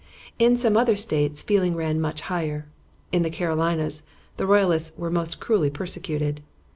In some other States feeling ran much higher. In the Carolinas the royalists were most cruelly persecuted.